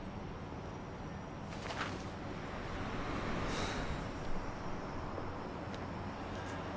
はあ。